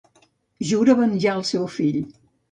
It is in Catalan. Jura venjar al seu fill.